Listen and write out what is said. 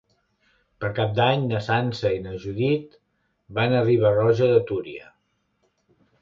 Per Cap d'Any na Sança i na Judit van a Riba-roja de Túria.